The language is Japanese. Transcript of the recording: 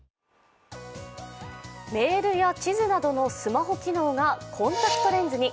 メールや地図などのスマホ機能がコンタクトレンズに。